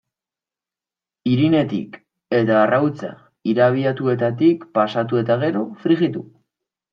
Irinetik eta arrautza irabiatuetatik pasatu eta gero, frijitu.